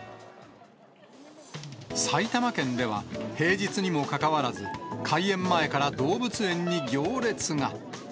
埼玉県では、平日にもかかわらず、開園前から動物園に行列が。